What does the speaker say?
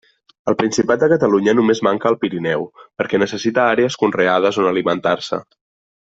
Al Principat de Catalunya només manca al Pirineu, perquè necessita àrees conreades on alimentar-se.